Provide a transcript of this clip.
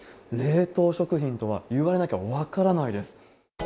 冷凍食品とは言われなきゃ分からないです。